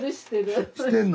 してんの？